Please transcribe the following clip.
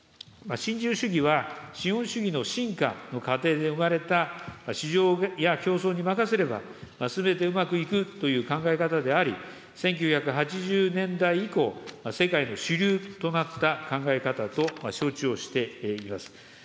新自由主義は、資本主義の進化の過程で生まれた市場や競争に任せればすべてうまくいくという考え方であり、１９８０年代以降、世界の主流となった考え方と承知をしています。